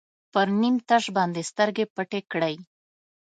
پر نیم تش باندې سترګې پټې کړئ.